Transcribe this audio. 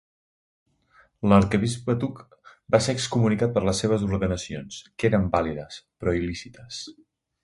L'arquebisbe Thuc va ser excomunicat per les seves ordenacions, que eren vàlides, però il·lícites.